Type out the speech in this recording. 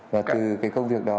và từ cái công việc đó